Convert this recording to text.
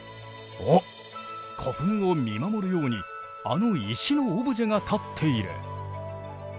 おっ古墳を見守るようにあの石のオブジェが立っている。